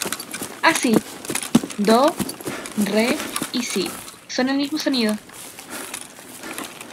Así, "do", "re" y "si" son el mismo sonido.